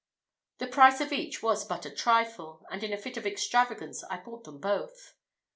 The price of each was but a trifle, and in a fit of extravagance I bought them both.